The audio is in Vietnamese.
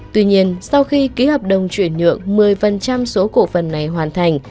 tuy nhiên sau khi ký hợp đồng chuyển nhượng một mươi số cổ phần này hoàn thành